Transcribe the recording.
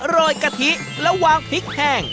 ยกะทิแล้ววางพริกแห้ง